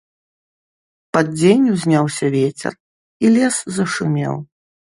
Пад дзень узняўся вецер, і лес зашумеў.